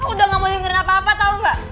udah gak mau dengerin apa apa tau gak